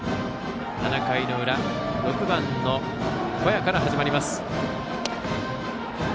７回裏、６番の小矢から始まります。